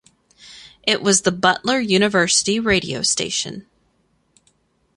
It was the Butler University radio station.